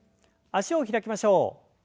脚を開きましょう。